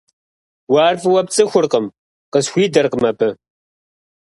— Уэ ар фӀыуэ пцӀыхуркъым, — къысхуидэркъым абы.